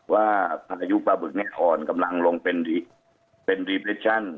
ว่าพายุประบึกออนกำลังลงเป็นรีเฟสชั่น